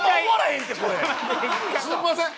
すいません！